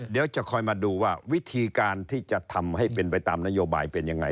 เดี๋ยวจะคอยมาดูว่าวิธีการที่จะทำให้เป็นไปตามนโยบายเป็นยังไง